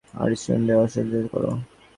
আর স্টুডেন্টদের অস্ত্রসজ্জিত করো।